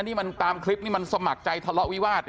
นี่มันตามคลิปนี้มันสมัครใจทะเลาะวิวาส